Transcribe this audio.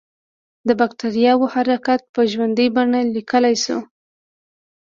د بکټریاوو حرکت په ژوندۍ بڼه لیدلای شو.